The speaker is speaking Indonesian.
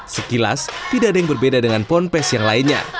sekilas tidak ada yang berbeda dengan ponpes yang lainnya